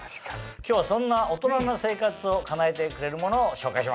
今日はそんな大人な生活を叶えてくれるものを紹介します。